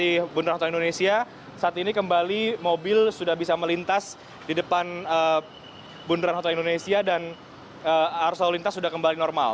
di bundaran hi saat ini kembali mobil sudah bisa melintas di depan bundaran hi dan arsal lintas sudah kembali normal